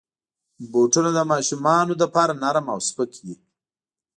بوټونه د ماشومانو لپاره نرم او سپک وي.